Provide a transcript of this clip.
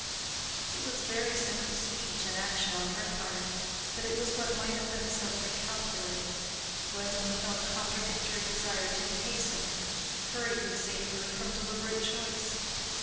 It was very simple speech and action on her part, but it was what might have been subtly calculated. Gwendolen felt a contradictory desire to be hastened: hurry would save her from deliberate choice.